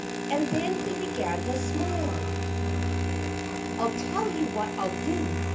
And then he began to smile. "I'll tell you what I'll do!"